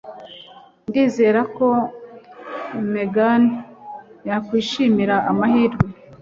Ndizera ko Megan yakwishimira amahirwe.